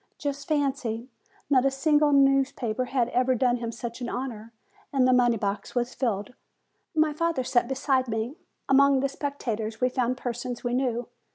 Just fancy! Not a single news paper had ever done him such an honor, and the money box was filled. My father sat beside me. Among the spectators we found persons we knew.